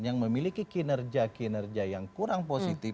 yang memiliki kinerja kinerja yang kurang positif